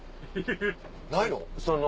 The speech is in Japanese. ないの？